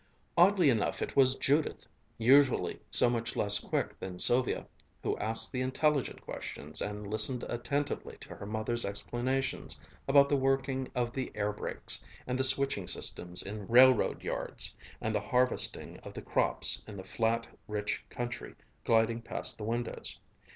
Oddly enough it was Judith, usually so much less quick than Sylvia, who asked the intelligent questions and listened attentively to her mother's explanations about the working of the air brakes, and the switching systems in railroad yards, and the harvesting of the crops in the flat, rich country gliding past the windows.